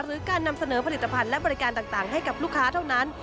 หรือการนำเสนอผลิตภัณฑ์และบริการต่างให้กับลูกค้าเท่านั้น